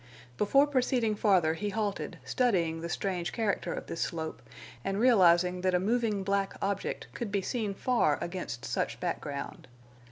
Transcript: Before proceeding farther he halted, studying the strange character of this slope and realizing that a moving black object could be seen far against such background.